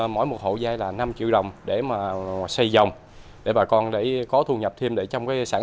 mỗi một hộ dây là năm triệu đồng để mà xây dòng để bà con để có thu nhập thêm để trong cái sản